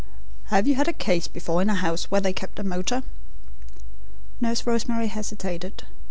"Have you had a case before in a house where they kept a motor?" Nurse Rosemary hesitated.